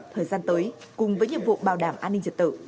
thời gian tới cùng với nhiệm vụ bảo đảm an ninh trật tự